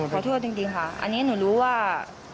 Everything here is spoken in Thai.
ขอโทษจริงค่ะอันนี้หนูรู้ว่า